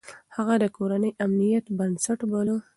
هغه د کورنۍ امنيت بنسټ باله.